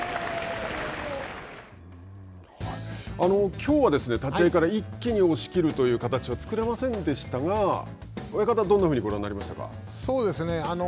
きょうは立ち合いから一気に押し切るという形は作れませんでしたが親方はどんなふうにご覧になりましたか。